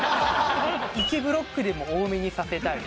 １ブロックでも多めにさせたい。